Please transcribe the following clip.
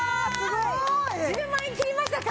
１０万円切りましたか！